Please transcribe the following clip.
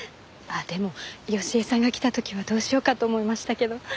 ああでも佳枝さんが来た時はどうしようかと思いましたけど。